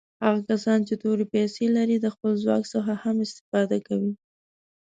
هغه کسان چې تورې پیسي لري د خپل ځواک څخه هم استفاده کوي.